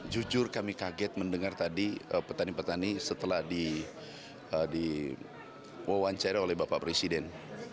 jujur kami kaget mendengar tadi petani petani setelah diwawancari oleh bapak presiden